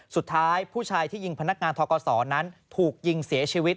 สุดท้ายผู้ชายที่ยิงพนักงานทกศนั้นถูกยิงเสียชีวิต